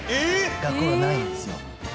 学校がないんですよ。